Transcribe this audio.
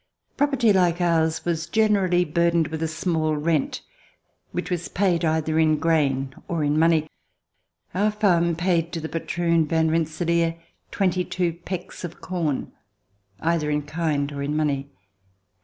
Property like ours was generally burdened with a small rent which was paid either In grain or In money. COUNTRY LIFE Our farm paid to the patroon, Van Rensselaer, twenty two pecks of corn, either in kind or in money.